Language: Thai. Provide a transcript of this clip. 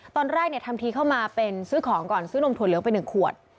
ตอนแรกทำทีเข้ามาเป็นซื้อของก่อนซื้อนมถั่เหลืองไป๑ขวด